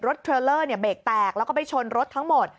รถเทลเลอร์เนี่ยเบกแตกแล้วก็ไปชนรถทั้งหมด